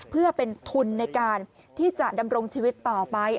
เพื่อเป็นทุนในการที่จะดำรงชีวิตต่อไป